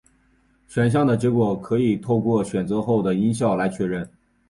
选项的结果可以透过选择后的音效来确认。